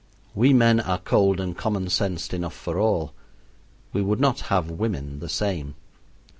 We men are cold and common sensed enough for all; we would not have women the same.